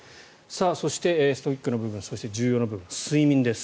そして、ストイックな部分そして重要な部分睡眠です。